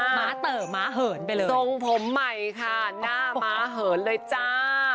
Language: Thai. ม้าเต๋อม้าเหินไปเลยทรงผมใหม่ค่ะหน้าม้าเหินเลยจ้า